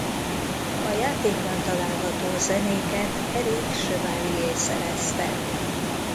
A játékban található zenéket Eric Chevalier szerezte.